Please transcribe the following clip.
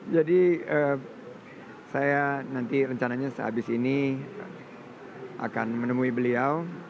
jadi saya nanti rencananya sehabis ini akan menemui beliau